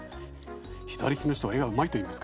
左利きの人は絵がうまいといいますからね。